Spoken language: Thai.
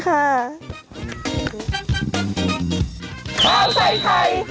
ข้าวใส่ไข่